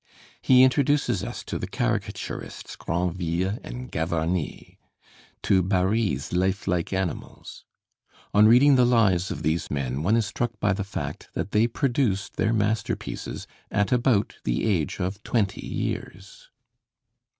He introduces us to the caricaturists Grandville and Gavarni; to Barye's lifelike animals. On reading the lives of these men, one is struck by the fact that they produced their masterpieces at about the age of twenty years.